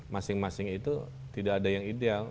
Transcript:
masing masing itu tidak ada yang ideal